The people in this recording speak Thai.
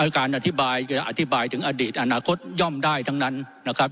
การอธิบายจะอธิบายถึงอดีตอนาคตย่อมได้ทั้งนั้นนะครับ